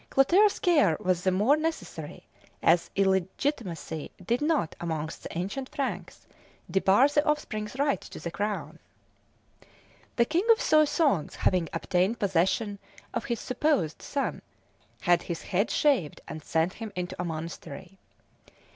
Clotaire's care was the more necessary as illegitimacy did not, amongst the ancient Franks, debar the offspring's right to the crown. The king of Soissons having obtained possession of his supposed son, had his head shaved and sent him into a monastery.